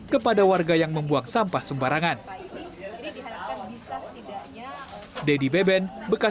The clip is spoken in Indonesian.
kepada warga yang membuang sampah sembarangan